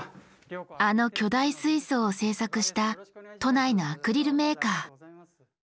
あの巨大水槽を製作した都内のアクリルメーカー。